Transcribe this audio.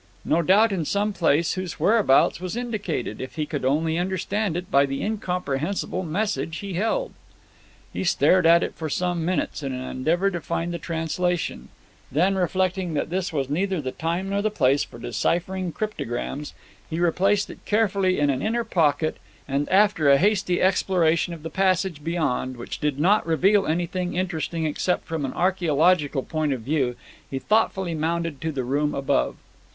No doubt in some place whose whereabouts was indicated, if he could only understand it, by the incomprehensible message he held. He stared at it for some minutes in an endeavour to find the translation; then, reflecting that this was neither the time nor place for deciphering cryptograms, he placed it carefully in an inner pocket, and after a hasty exploration of the passage beyond which did not reveal anything interesting except from an archaeological point of view, he thoughtfully mounted to the room above.